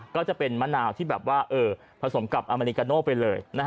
ก็จะเป็นมะนาวที่แบบว่าผสมกับอเมริกาโน่ไปเลย